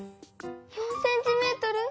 ４ｃｍ？